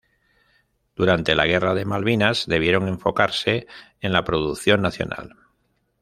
Durante la Guerra de Malvinas debieron enfocarse en la producción nacional.